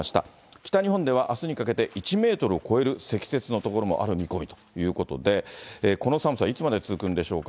北日本では、あすにかけて、１メートルを超える積雪の所もある見込みということで、この寒さ、いつまで続くんでしょうか。